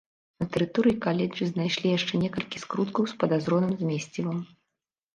На тэрыторыі каледжа знайшлі яшчэ некалькі скруткаў з падазроным змесцівам.